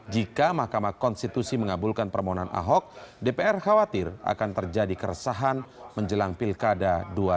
jika mahkamah konstitusi mengabulkan permohonan ahok dpr khawatir akan terjadi keresahan menjelang pilkada dua ribu dua puluh